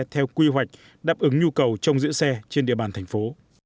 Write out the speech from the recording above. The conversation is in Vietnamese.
theo quy hoạch đáp ứng nhu cầu trong giữ xe trên địa bàn thành phố